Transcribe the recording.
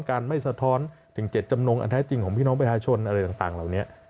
การไม่สะท้อนถึงเจ็ดจำนงอันแท้จริงของพี่น้องประชาชนอะไรต่างเหล่านี้